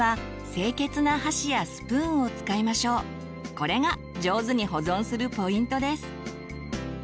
これが上手に保存するポイントです。